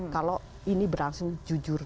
kalau ini berlangsung jujur